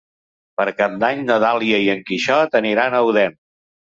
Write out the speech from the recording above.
Per Cap d'Any na Dàlia i en Quixot aniran a Odèn.